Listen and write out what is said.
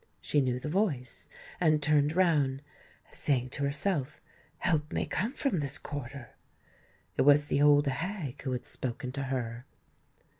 She knew the voice, and turned round, saying to herself, "Help may come from this quarter!" It was the old hag who had spoken to her.